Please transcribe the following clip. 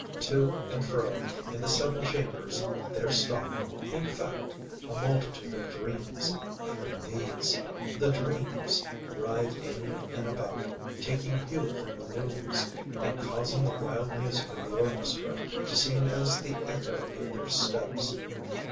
To and fro in the seven chambers there stalked, in fact, a multitude of dreams. And theseŌĆöthe dreamsŌĆöwrithed in and about, taking hue from the rooms, and causing the wild music of the orchestra to seem as the echo of their steps.